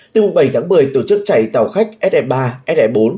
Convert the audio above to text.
từ mùa bảy tháng một mươi tổ chức chạy tàu khách se ba se bốn